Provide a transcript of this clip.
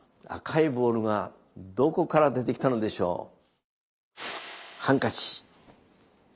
赤いボールがどこから出てきたのでしょう？